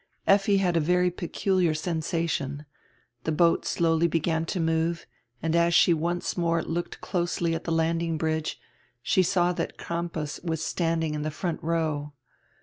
Effi had a very peculiar sensation. The boat slowly began to move, and as she once more looked closely at die landing bridge she saw that Crampas was standing in the front row.